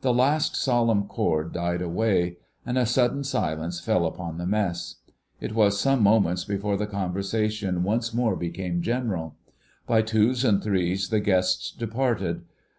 The last solemn chord died away, and a sudden silence fell upon the Mess: it was some moments before the conversation once more became general. By twos and threes the guests departed.